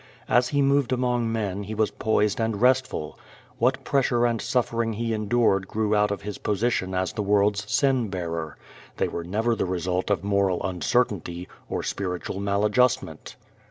As He moved among men He was poised and restful. What pressure and suffering He endured grew out of His position as the world's sin bearer; they were never the result of moral uncertainty or spiritual maladjustment.